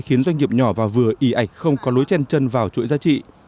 khiến doanh nghiệp nhỏ và vừa ý ảnh không có lối chen chân vào chuỗi giá trị